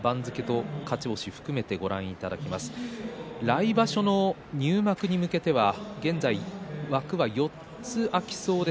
来場所の入幕へ向けては現在、幕は４つを空きそうです。